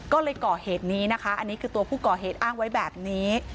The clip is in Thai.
ก็เลยก่อเหตุนี้นะคะอันนี้คือตัวผู้ก่อเหตุอ้างไว้แบบนี้